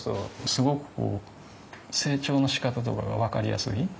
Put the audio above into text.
すごく成長のしかたとかが分かりやすい。